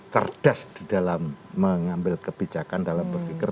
cerdas di dalam mengambil kebijakan dalam berpikir